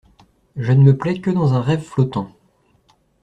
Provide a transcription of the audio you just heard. Je ne me plais que dans un rêve flottant.